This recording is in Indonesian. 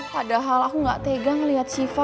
padahal aku gak tega ngeliat siva